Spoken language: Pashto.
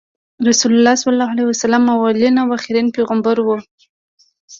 رسول الله ص اولین او اخرین پیغمبر وو۔